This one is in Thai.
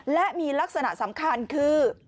และมีลักษณะสำคัญคือ